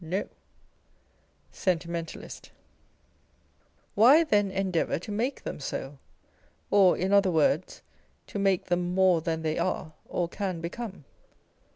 No. Sentimentalist. Why, then, endeavour to make them so ; or in other words, to make them more than they are or can become